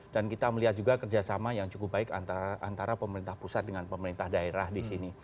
dan kita melihat juga kerjasama yang cukup baik antara pemerintah pusat dengan pemerintah daerah disini